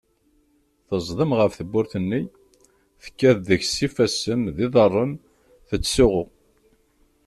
Teẓdem ɣef tewwurt-nni, tekkat deg-s s ifassen d iḍarren, tettsuɣu.